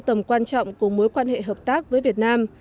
tầm quan trọng của mối quan hệ hợp tác với việt nam